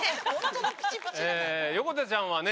横田ちゃんはね